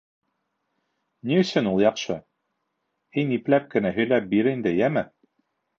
Ни өсөн ул яҡшы? һин ипләп кенә һөйләп бир инде, йәме?